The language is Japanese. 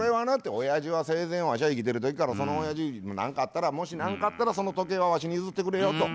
「おやじは生前わしは生きてる時からそのおやじに『何かあったらもし何かあったらその時計はわしに譲ってくれよ』と。